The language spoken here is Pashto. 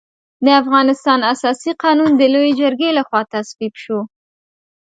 د افغانستان اساسي قانون د لويې جرګې له خوا تصویب شو.